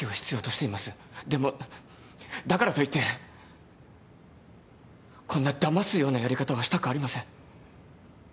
でもだからといってこんなだますようなやり方はしたくありません。